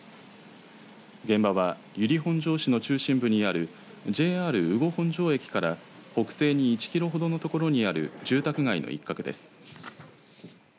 現場は由利本荘市の中心部にあるＪＲ羽後本荘駅から北西に１キロほどのところにある住宅街の一角です。